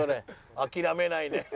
諦めないね。